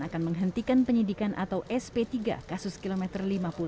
akan menghentikan penyidikan atau sp tiga kasus kilometer lima puluh